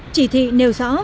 chỉ thị nêu rõ